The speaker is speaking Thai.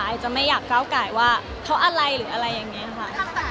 อาจจะไม่อยากก้าวไก่ว่าเพราะอะไรหรืออะไรอย่างนี้ค่ะ